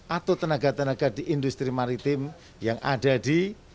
atau tenaga tenaga di industri maritim yang ada di